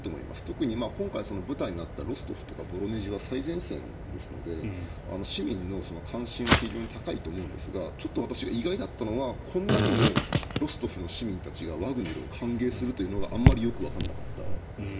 特に今回、舞台になったロストフとかボロネジは最前線ですので市民の関心は非常に高いと思うんですが今回、意外だったのがこんなにもロストフの市民たちがワグネルを歓迎するというのがあまりよくわからなかったです。